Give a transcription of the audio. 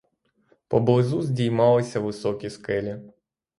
Поблизу здіймалися високі скелі.